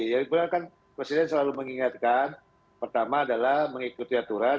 sebenarnya kan presiden selalu mengingatkan pertama adalah mengikuti aturan